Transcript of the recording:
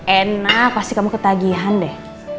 enak pasti kamu ketagihan deh